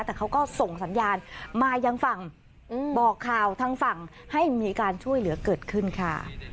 แต่เขาก็ส่งสัญญาณมายังฝั่งบอกข่าวทางฝั่งให้มีการช่วยเหลือเกิดขึ้นค่ะ